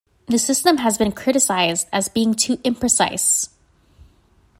This system has been criticized as being too imprecise.